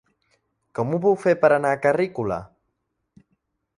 Com ho puc fer per anar a Carrícola?